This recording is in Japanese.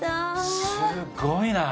すっごいな。